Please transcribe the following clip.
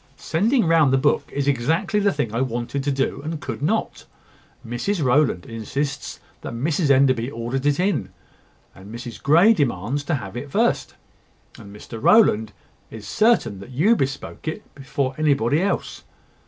"Sending round the book is exactly the thing I wanted to do, and could not. Mrs Rowland insists that Mrs Enderby ordered it in; and Mrs Grey demands to have it first; and Mr Rowland is certain that you bespoke it before anybody else.